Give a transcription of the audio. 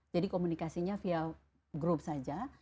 jadi komunikasinya via grup saja